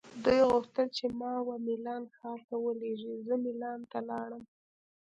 دوی غوښتل چې ما وه میلان ښار ته ولیږي، زه مېلان ته لاړ شم.